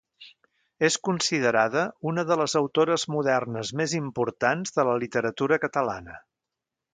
És considerada una de les autores modernes més importants de la literatura catalana.